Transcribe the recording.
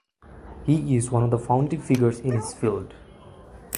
He is one of the founding figures in his field.